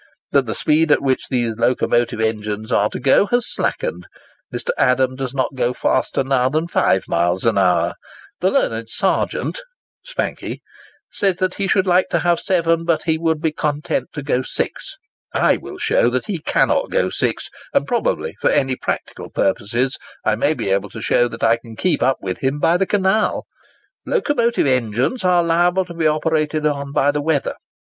But the speed at which these locomotive engines are to go has slackened: Mr. Adam does not go faster now than 5 miles an hour. The learned serjeant (Spankie) says he should like to have 7, but he would be content to go 6. I will show he cannot go 6; and probably, for any practical purposes, I may be able to show that I can keep up with him by the canal. ... Locomotive engines are liable to be operated upon by the weather.